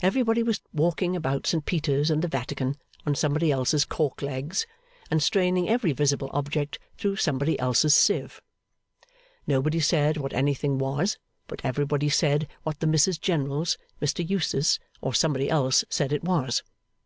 Everybody was walking about St Peter's and the Vatican on somebody else's cork legs, and straining every visible object through somebody else's sieve. Nobody said what anything was, but everybody said what the Mrs Generals, Mr Eustace, or somebody else said it was.